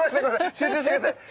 集中して下さい。